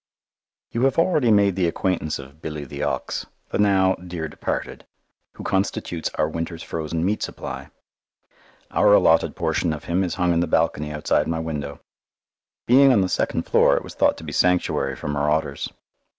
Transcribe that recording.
You have already made the acquaintance of Billy the Ox, the now dear departed, who constitutes our winter's frozen meat supply. Our allotted portion of him is hung in the balcony outside my window. Being on the second floor it was thought to be sanctuary from marauders.